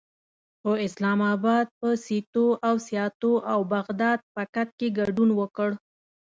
خو اسلام اباد په سیتو او سیاتو او بغداد پکت کې ګډون وکړ.